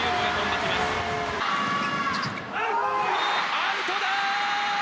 アウトだ！